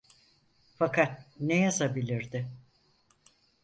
Fakat ne yazabilirdi?